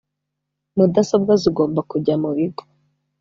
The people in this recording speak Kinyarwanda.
Mudasobwa zigomba kujya mu bigo